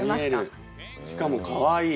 しかもかわいい。